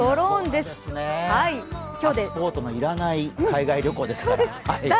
パスポートの要らない海外旅行ですから。